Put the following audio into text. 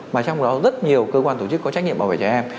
mà trong đó rất nhiều cơ quan tổ chức có trách nhiệm bảo vệ trẻ em